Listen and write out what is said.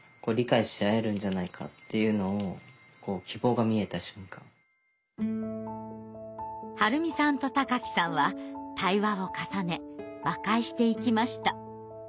初めて春美さんと貴毅さんは対話を重ね和解していきました。